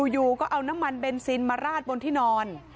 อยู่ก็เอาน้ำมันเบนซินมาราดบนที่นอน